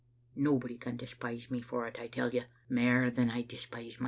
Nobody can despise toe for it, I tell you, mair than I despise mysel'.